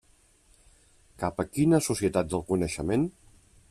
Cap a quina Societat del Coneixement?